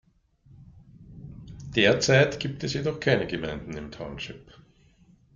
Derzeit gibt es jedoch keine Gemeinden im Township.